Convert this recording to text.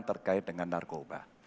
terkait dengan narkoba